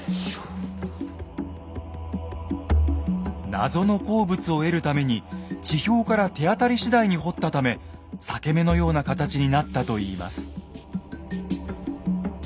謎の鉱物を得るために地表から手当たりしだいに掘ったため裂け目のような形になったといいます。